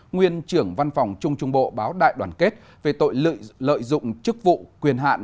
nguyên trưởng văn phòng trung trung bộ báo đại đoàn kết về tội lợi dụng chức vụ quyền hạn